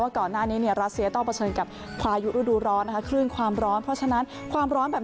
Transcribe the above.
ว่าก่อนหน้านี้รัศเซียต้องเผชิญกับพายุอุดูร้อนนะคะ